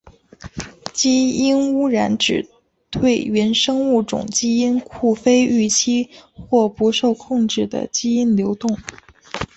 基因污染指对原生物种基因库非预期或不受控制的基因流动。